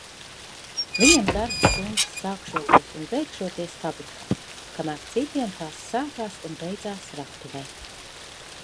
Viņam darba stundas sākšoties un beigšoties fabrikā, kamēr citiem tās sākās un beidzās raktuvē.